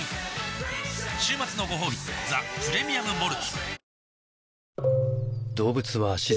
週末のごほうび「ザ・プレミアム・モルツ」おおーー